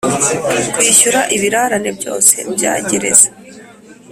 kwishyura ibirarane byose bya gereza